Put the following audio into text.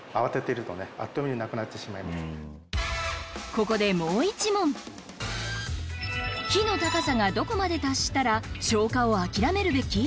ここでもう１問火の高さがどこまで達したら消火を諦めるべき？